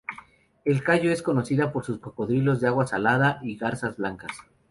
El cayo es conocida por sus cocodrilos de agua salada y garzas blancas.